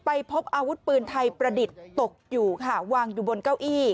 พบอาวุธปืนไทยประดิษฐ์ตกอยู่ค่ะวางอยู่บนเก้าอี้